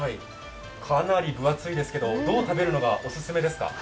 かなり分厚いですけど、どう食べるのが正解ですか？